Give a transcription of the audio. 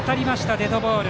デッドボール。